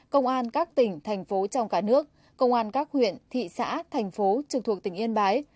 công an các tỉnh thành phố trong cả nước công an các huyện thị xã thành phố trực thuộc tỉnh yên bái